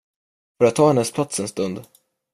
Får jag ta hennes plats en stund?